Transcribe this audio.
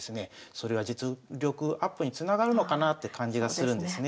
それは実力アップにつながるのかなって感じがするんですね。